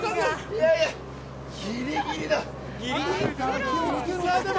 いやいや、ギリギリだ。